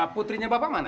putrinya bapak mana ya